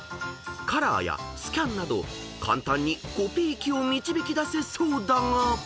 ［カラーやスキャンなど簡単に「コピー機」を導き出せそうだが］